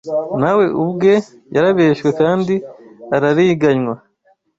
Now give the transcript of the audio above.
nawe ubwe yarabeshywe kandi arariganywa